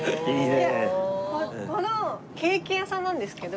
ケーキ屋さんなんですけど。